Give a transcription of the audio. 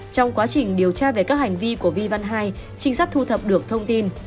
trong quá trình điều tra về các hành vi của vi văn hai trinh sát thu thập được thông tin